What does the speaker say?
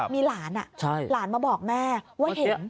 มีหลานหลานมาบอกแม่ว่าเห็น